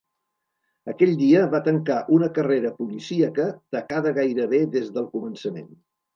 Aquell dia va tancar una carrera policíaca tacada gairebé des del començament.